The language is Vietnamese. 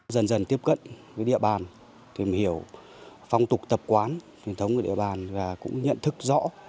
dần dần tiếp cận với địa bàn tìm hiểu phong tục tập quán truyền thống của địa bàn và cũng nhận thức rõ